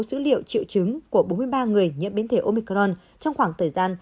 dữ liệu triệu chứng của bốn mươi ba người nhiễm biến thể omicron trong khoảng thời gian